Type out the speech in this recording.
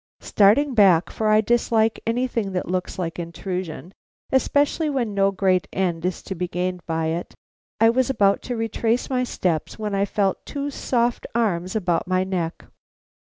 Starting back, for I dislike anything that looks like intrusion, especially when no great end is to be gained by it, I was about to retrace my steps when I felt two soft arms about my neck.